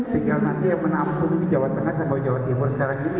tinggal nanti menampung jawa tengah sampai jawa timur sekarang ini